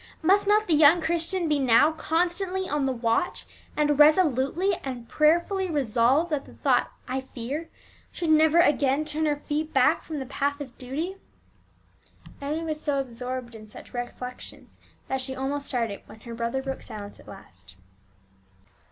Must not the young Christian be now constantly on the watch, and resolutely and prayerfully resolve that the thought "I fear" should never again turn her feet back from the path of duty? Emmie was so absorbed in such reflections that she almost started when her brother broke silence at last.